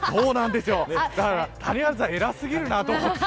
だから谷原さん偉すぎるなと思って。